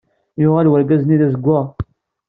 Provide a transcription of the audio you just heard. Yuɣal wergaz-nni d azewwaɣ.